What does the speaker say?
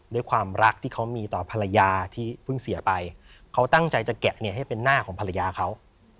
ด้วยความรักที่เขามีต่อภรรยาที่เพิ่งเสียไปเขาตั้งใจจะแกะให้เป็นหน้าของภรรยาเขา